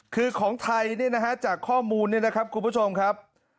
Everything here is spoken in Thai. คือของไทยเนี่ยนะฮะจากข้อมูลเนี่ยนะครับคุณผู้ชมครับ